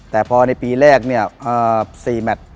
แต่พอในปีแรกเนี่ย๔แมท